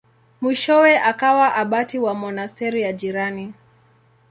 Mwishowe akawa abati wa monasteri ya jirani.